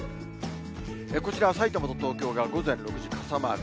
こちら、さいたまと東京が午前６時、傘マーク。